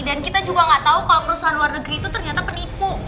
dan kita juga gak tahu kalau perusahaan luar negeri itu ternyata penipu